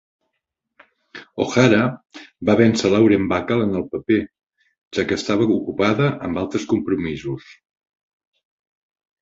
O'Hara va vèncer Lauren Bacall en el paper, ja que estava ocupada amb altres compromisos.